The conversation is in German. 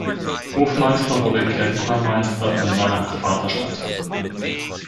Hofmeister wurde Klempnermeister in seiner Vaterstadt.